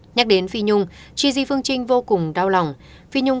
nhắc đến phi nhung gigi phương trinh vô cùng đau lòng